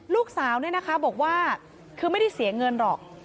ลูกสาวเนี่ยนะคะบอกว่าคือไม่ได้เสียเงินหรอก